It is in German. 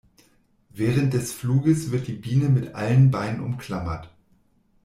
Während des Fluges wird die Biene mit allen Beinen umklammert.